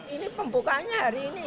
ini pembukanya hari ini